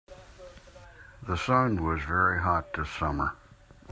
The sun was very hot this summer.